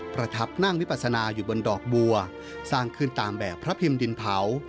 ประทับนั่งวิปัสนาอยู่บนดอกบัวสร้างขึ้นตามแบบพระพิมพ์ดินเผา